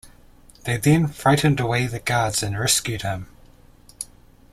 They then frightened away the guards and rescued him.